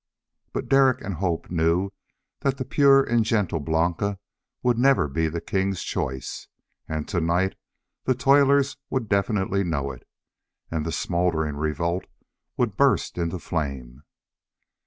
But Derek and Hope both knew that the pure and gentle Blanca would never be the king's choice. And to night the toilers would definitely know it, and the smoldering revolt would burst into flame.